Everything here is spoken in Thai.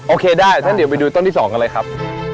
โอเคได้ถ้าเดี๋ยวไปดูต้นที่๒กันเลยครับ